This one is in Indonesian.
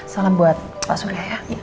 salam buat pak surya ya